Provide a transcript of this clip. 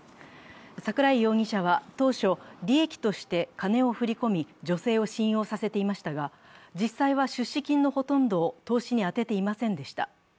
桜井容疑者は当初、利益として金を振り込み、女性を信用させていましたが実際は出資金のほとんどを投資に充てていませんでした。